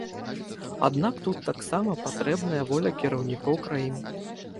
Аднак тут таксама патрэбная воля кіраўнікоў краін.